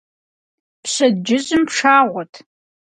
Пщэдджыжьым пшагъуэт.